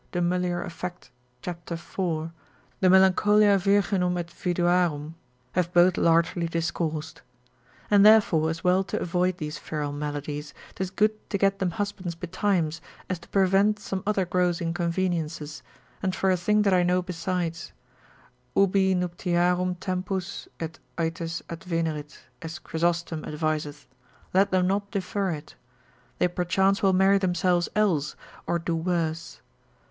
de mulier. affect, cap. 4, de melanch. virginum et viduarum, have both largely discoursed. And therefore as well to avoid these feral maladies, 'tis good to get them husbands betimes, as to prevent some other gross inconveniences, and for a thing that I know besides; ubi nuptiarum tempus et aetas advenerit, as Chrysostom adviseth, let them not defer it; they perchance will marry themselves else, or do worse.